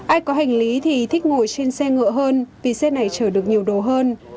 ai có hành lý thì thích ngồi trên xe ngựa hơn vì xe này chở được nhiều đồ hơn